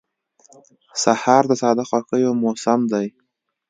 سهار د ساده خوښیو موسم دی.